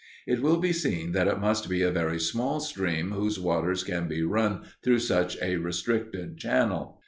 It will be seen that it must be a very small stream whose waters can be run through such a restricted channel.